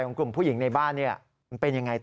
ของกลุ่มผู้หญิงในบ้านนี้มันเป็นอย่างไรต่อ